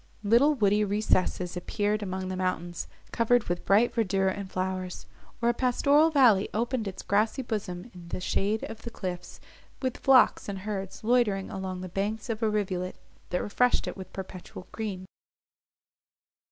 Little woody recesses appeared among the mountains, covered with bright verdure and flowers; or a pastoral valley opened its grassy bosom in the shade of the cliffs, with flocks and herds loitering along the banks of a rivulet, that refreshed it with perpetual green.